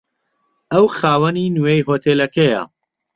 ئەو خاوەنی نوێی هۆتێلەکەیە.